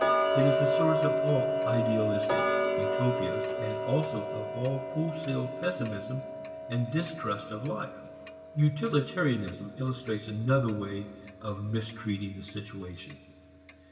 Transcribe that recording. It is the source of all "idealistic" utopias and also of all wholesale pessimism and distrust of life. Utilitarianism illustrates another way of mistreating the situation.